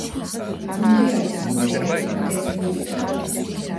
მუნდიალის წინ ბეკჰემმა ტერფი მოიტეხა.